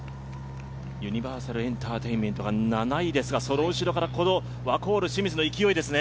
ユニバーサルエンターテインメントが７位ですが、その後ろからワコール・清水の勢いですね。